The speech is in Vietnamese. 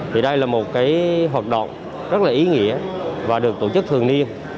thì đây là một cái hoạt động rất là ý nghĩa và được tổ chức thường niên